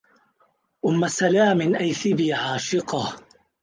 أم سلام أيثبي عاشقا